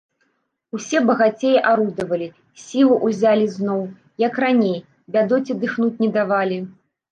Усё багацеі арудавалі, сілу ўзялі зноў, як раней, бядоце дыхнуць не давалі.